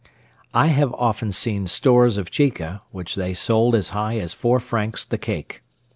I have often seen stores of chica, which they sold as high as four francs the cake.